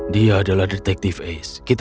dia adalah detektif ace